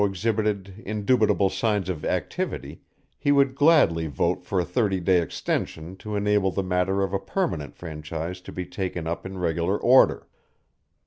exhibited indubitable signs of activity, he would gladly vote for a thirty day extension to enable the matter of a permanent franchise to be taken up in regular order.